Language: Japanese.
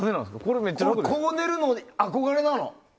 こう寝るの憧れなの。